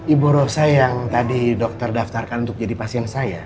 ibu rosa yang tadi dokter daftarkan untuk jadi pasien saya